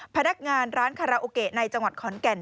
พนักงานร้านคาราโอเกะในจังหวัดขอนแก่น